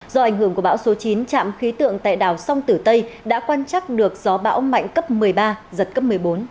do ảnh hưởng của bão số chín trạm khí tượng tại đảo song tử tây đã quan trắc được gió bão mạnh cấp một mươi ba giật cấp một mươi bốn